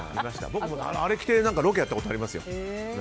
僕もあれを着てロケをやったことありますよ。